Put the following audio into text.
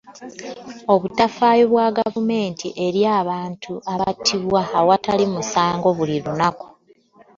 obutafaayo bwagavumenti eri abantu abatibwa ewatali musango buli lunaku